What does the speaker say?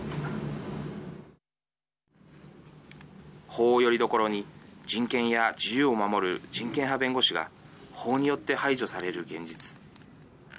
法をよりどころに人権や自由を守る人権派弁護士が法によって排除される現実。